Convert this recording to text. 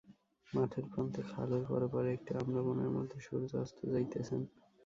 মাঠের প্রান্তে খালের পরপারে একটি আম্রবনের মধ্যে সূর্য অস্ত যাইতেছেন।